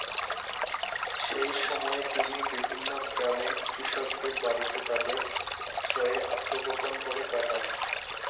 সেই সময়ে তিনি বিভিন্ন গ্রামে কৃষকদের বাড়িতে তাদের আশ্রয়ে আত্মগোপন করে কাটান।